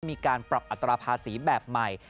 มีการปรับอัตราภาษีแบบใหม่